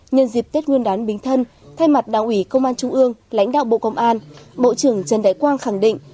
nhân dịp tết nguyên đán bình thân thay mặt đảng ủy công an trung ương lãnh đạo bộ công an bộ trưởng trần đại quang khẳng định